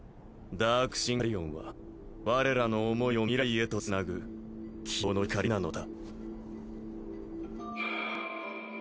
ダークシンカリオンは我らの思いを未来へとつなぐ希望の光なのだ。